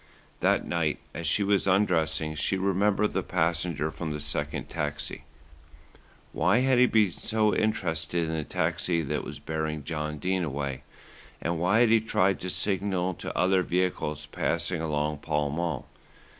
That night as she was undressing she remembered the passenger from the second taxi. Why had he been so interested in the taxi that was bearing John Dene away, and why had he tried to signal to other vehicles passing along Pall Mall?